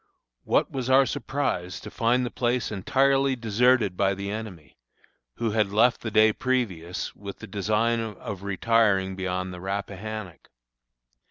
What was our surprise to find the place entirely deserted by the enemy, who had left the day previous with the design of retiring beyond the Rappahannock.